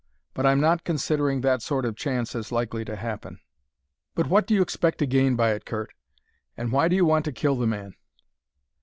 But I'm not considering that sort of chance as likely to happen." "But what do you expect to gain by it, Curt, and why do you want to kill the man?"